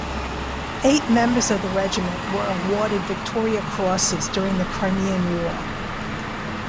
Eight members of the Regiment were awarded Victoria Crosses during the Crimean War.